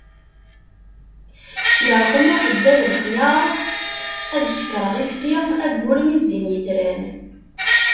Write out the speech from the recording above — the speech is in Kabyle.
Yeṛqem uḥeddad lexyar, ad cekkreɣ isli ayyur mi zzin yetran.